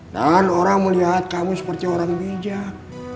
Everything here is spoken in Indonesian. dan orang melihat kamu seperti orang bijak